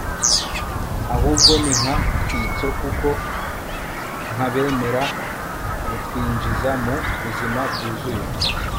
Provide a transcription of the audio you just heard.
ahubwo ni nk'akitso kuko nk'abemera rutwinjiza mu buzima bwuzuye